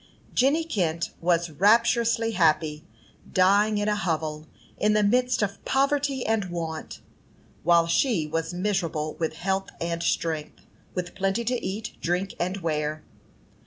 Jenny Kent was rapturously happy, dying in a hovel, in the midst of poverty and want, while she was miserable with health and strength, with plenty to eat, drink, and wear.